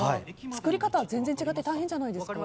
作り方は全然違って大変じゃないですか。